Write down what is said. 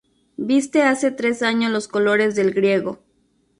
Viste hace tres años los colores del griego